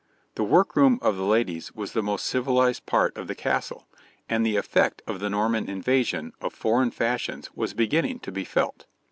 The workroom of the ladies was the most civilized part of the castle, and the effect of the Norman invasion of foreign fashions was beginning to be felt.